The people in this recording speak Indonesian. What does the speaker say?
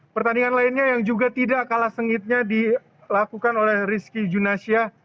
pertandingan lainnya yang juga tidak kalah sengitnya dilakukan oleh rizky junasya